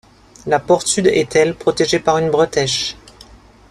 La porte sud est elle protégée par une bretèche.